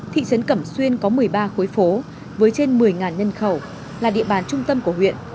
thị trấn cẩm xuyên có một mươi ba khối phố với trên một mươi nhân khẩu là địa bàn trung tâm của huyện